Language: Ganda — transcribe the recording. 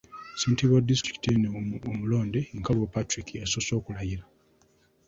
Ssentebe wa disitulikiti eno omulonde, Nkalubo Patrick, y'asoose okulayira.